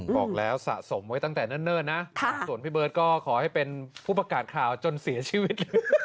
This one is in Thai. บอกแล้วสะสมไว้ตั้งแต่เนิ่นนะส่วนพี่เบิร์ตก็ขอให้เป็นผู้ประกาศข่าวจนเสียชีวิต